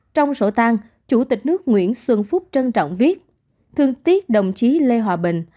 trong sổ tang chủ tịch nước nguyễn xuân phúc trân trọng viết thương tiết đồng chí lê hòa bình